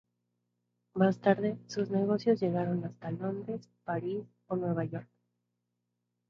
Más tarde, sus negocios llegaron hasta Londres, París o Nueva York.